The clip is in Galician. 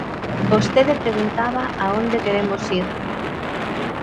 Vostede preguntaba a onde queremos ir.